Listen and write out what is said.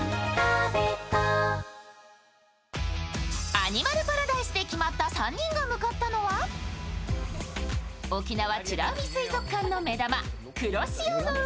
「アニマルパラダイス」で決まった３人が向かったのは沖縄美ら海水族館の目玉、黒潮の海。